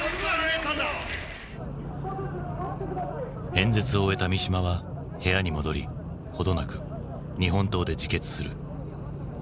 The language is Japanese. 演説を終えた三島は部屋に戻り程なく日本刀で自決する。